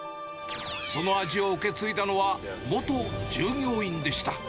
その味を受け継いだのは、元従業員でした。